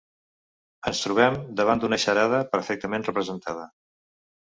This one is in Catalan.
Ens trobem davant d'una xarada perfectament representada.